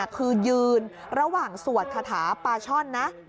คือยืนระหว่างสวดคาถาปาช่อนนะ